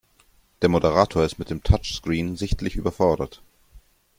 Der Moderator ist mit dem Touchscreen sichtlich überfordert.